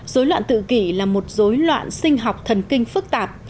rối loạn tự kỷ là một rối loạn sinh học thần kinh phức tạp